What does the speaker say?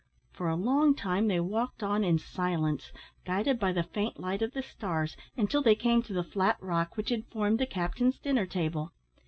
For a long time they walked on in silence, guided by the faint light of the stars, until they came to the flat rock which had formed the captain's dinner table.